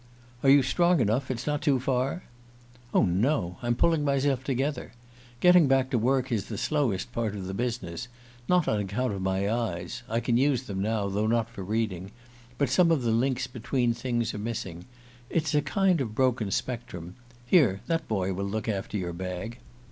"Are you strong enough? It's not too far?" "Oh, no. I'm pulling myself together. Getting back to work is the slowest part of the business: not on account of my eyes I can use them now, though not for reading; but some of the links between things are missing. It's a kind of broken spectrum ... here, that boy will look after your bag."